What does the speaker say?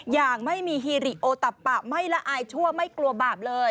อย่างไม่มีฮีริโอตับปะไม่ละอายชั่วไม่กลัวบาปเลย